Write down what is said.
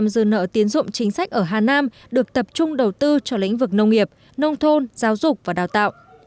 năm mươi dư nợ tiến dụng chính sách ở hà nam được tập trung đầu tư cho lĩnh vực nông nghiệp nông thôn giáo dục và đào tạo